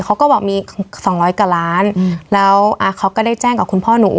เขาก็บอกมีสองร้อยกว่าล้านแล้วเขาก็ได้แจ้งกับคุณพ่อหนู